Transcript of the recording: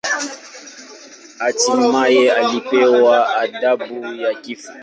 Hatimaye alipewa adhabu ya kifo.